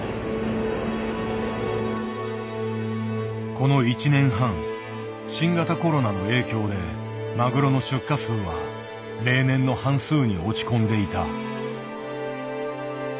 この１年半新型コロナの影響でマグロの出荷数は例年の半数に落ち込んでいた。